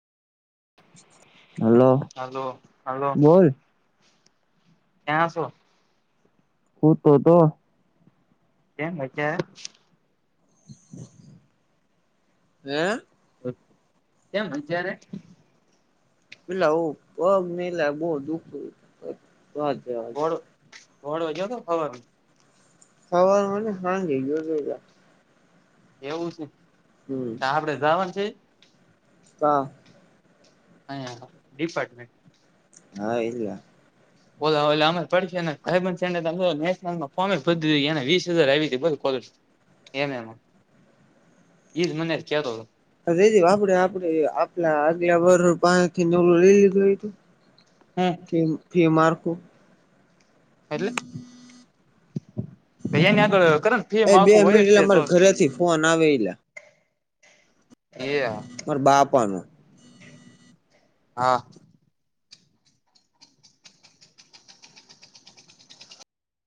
હાલો. Hello hello. ક્યાં સો. હુતો તો. કેમ અત્યારે. હે! બસ કેમ અત્યારે. પેલા ઓ પગને એલા બવ દુખ તુ -તુ વાત જાવા દયો. તો મોડો ગયો તો ને હવાર મા હવાર મા નઈ હાજે ગયો તો યા એવું છે હમ ન્યા આપડે જવાનુ સે તા આયા ડિપાર્ટમેન્ટ હા એલા ઓલા અમારે પડખે ના ભાઈબંધ છે ને નેશનલ મા વીસ હજાર આવી તી સ્કોલરશીપ એને એંનું ઈજ મને જ કેતો તો અજી આપડે આપડે આપલા આગલા વર્ષ પાહે થી ઓલુ લઈ લીધું હશે. હુ ડૂબકી મારતો ભની આગળ કરે [unintelligible] ફી એ બે માકું હોય મિનિટ એટલે તે મારે તો ઘરેથી ફોન આવે એલ્લા એ હા માર બાપાનું હા